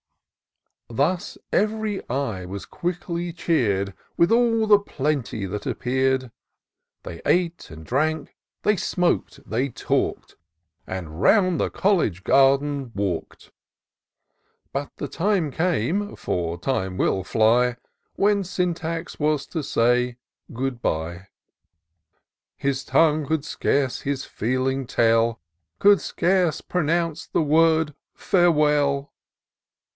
Thus ev'ry eye was quickly cheer'd With all the plenty that appear'd ; They ate, and drank, they smok'd, they talk'd. And round the college garden walk'd : But the time came (for time will fly) When Syntax was to say —" good bye." His tongue could scarce his feeling tell, Could scarce pronounce the word, " fsirewell